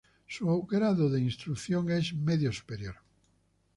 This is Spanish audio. Su grado de instrucción es medio superior.